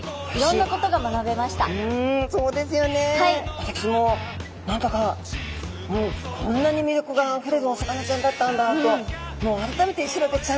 私も何だかもうこんなに魅力があふれるお魚ちゃんだったんだともうあらためてシログチちゃん